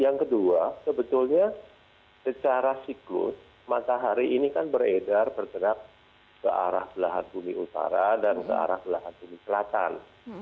yang kedua sebetulnya secara siklus matahari ini kan beredar bergerak ke arah belahan bumi utara dan ke arah belahan bumi selatan